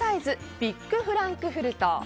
ビックフランクフルト。